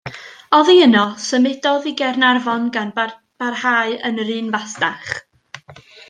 Oddi yno symudodd i Gaernarfon gan barhau yn yr un fasnach.